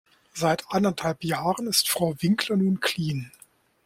Seit anderthalb Jahren ist Frau Winkler nun clean.